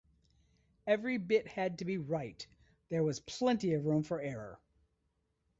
Every bit had to be right; there was plenty of room for error.